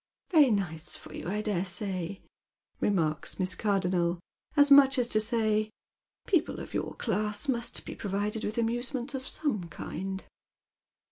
" Very nice for you, I dare say," remarks Miss Cardonnel, aa much as to say, " People of your class must be provided vith amusements of some kind."